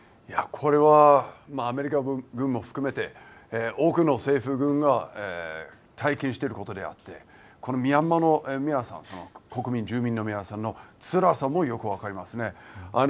これはアメリカ軍も含めて多くの政府軍が体験していることであってこのミャンマーの国民、住民の皆さんのつらさも、よく分かりますね。